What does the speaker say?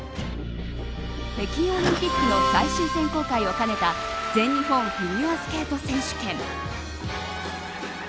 北京オリンピックの最終選考会を兼ねた全日本フィギュアスケート選手権。